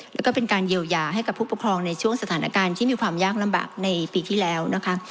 แล้วก็เป็นการเยียวยาให้กับผู้ปกครองในช่วงสถานการณ์ที่มีความยากลำบากในปีที่แล้วนะคะ